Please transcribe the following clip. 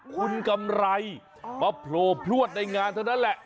คุณกำไรมาโผล่พลวดในงานเท่านั้นแหละ